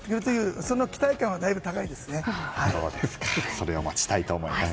それを待ちたいと思います。